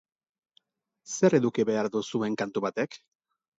Zer eduki behar du zuen kantu batek?